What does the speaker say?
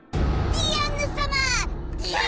ディアンヌ様！